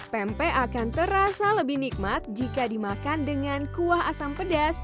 pempek akan terasa lebih nikmat jika dimakan dengan kuah asam pedas